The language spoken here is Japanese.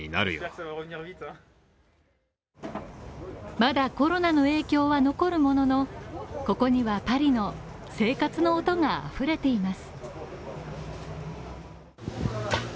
まだコロナの影響は残るものの、ここにはパリの生活の音があふれています